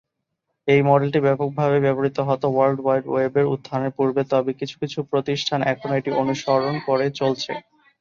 এই মডেলটি ব্যপকভাবে ব্যবহৃত হতো ওয়ার্ল্ড ওয়াইড ওয়েব উত্থানের পূর্বে, তবে কিছু কিছু প্রতিষ্ঠান এখনো এটি অনুসরণ করে চলছে।